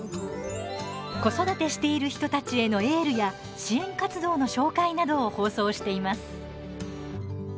子育てしている人たちへのエールや、支援活動の紹介などを放送しています。